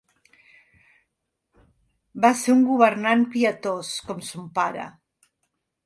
Va ser un governant pietós, com son pare.